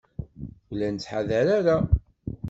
Ur la nettḥadar ara.